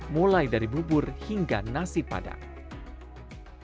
mulai dari bubur hingga nasi padang